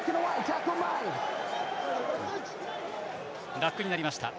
ラックになりました。